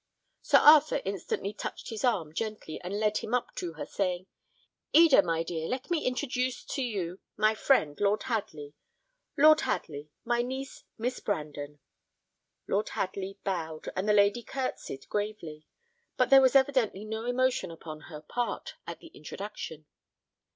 Sir Arthur instantly touched his arm gently, and led him up to her, saying, "Eda, my dear, let me introduce to you my friend, Lord Hadley Lord Hadley, my niece, Miss Brandon." Lord Hadley bowed, and the lady curtsied gravely; but there was evidently no emotion upon her part, at the introduction.